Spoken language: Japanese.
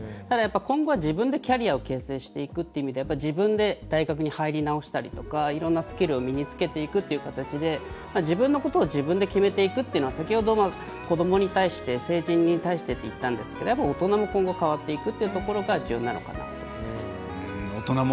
ただ今後は自分でキャリアを形成していくっていう意味で自分で大学に入り直したりとかいろんなスキルを身につけていくっていう形で自分のことを自分で決めていくっていうのは先ほど、子どもに対して成人に対してって言ったんですが大人も今後変わっていくっていうところが重要なのかなと。